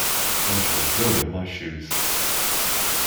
I shall ruin my shoes.